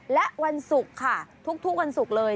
และวันศุกร์ค่ะทุกวันศุกร์เลย